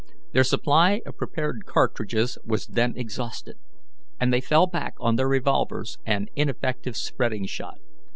Their supply of prepared cartridges was then exhausted, and they fell back on their revolvers and ineffective spreading shot.